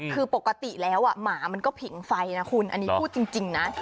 คือปกติแล้วหมามันก็ผิงไฟนะคุณอันนี้พูดจริงนะ